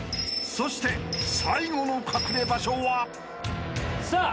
［そして最後の隠れ場所は］さあ。